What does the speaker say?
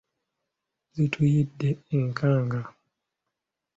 Zituyidde enkanga.